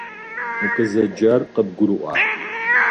Укъызэджар къыбгурыӏуа?